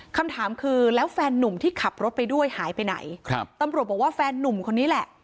คำถามคือแล้วแฟนนุ่มที่ขับรถไปด้วยหายไปไหนครับตำรวจบอกว่าแฟนนุ่มคนนี้แหละ